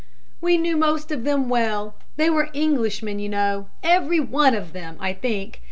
"We knew most of them well. They were Englishmen, you know every one of them, I think.